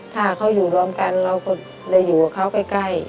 ถ้าเขาอยู่รวมกันเราก็เลยอยู่กับเขาใกล้